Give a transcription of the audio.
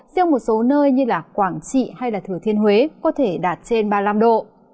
riêng một số nơi như quảng trị hay thừa thiên huế có thể đạt trên ba mươi năm độ